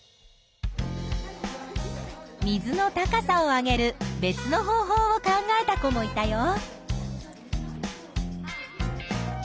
水の高さを上げる別の方法を考えた子もいたよ。